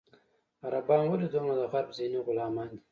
عربان ولې دومره د غرب ذهني غلامان دي.